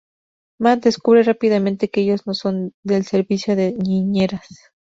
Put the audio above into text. Matt descubre rápidamente que ellos no son del servicio de niñeras.